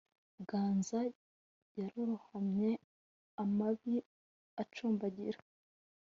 Ganga yararohamye amababi acumbagira